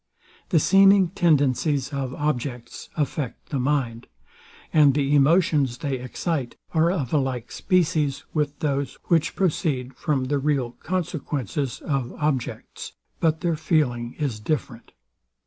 The seeming tendencies of objects affect the mind: And the emotions they excite are of a like species with those, which proceed from the real consequences of objects, but their feeling is different.